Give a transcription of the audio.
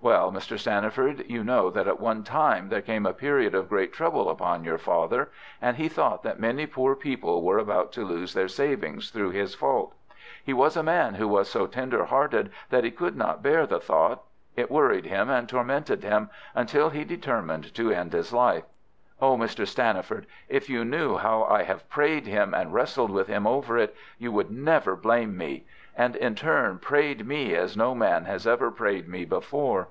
"Well, Mr. Stanniford, you know that at one time there came a period of great trouble upon your father, and he thought that many poor people were about to lose their savings through his fault. He was a man who was so tender hearted that he could not bear the thought. It worried him and tormented him, until he determined to end his life. Oh, Mr. Stanniford, if you knew how I have prayed him and wrestled with him over it, you would never blame me! And he in turn prayed me as no man has ever prayed me before.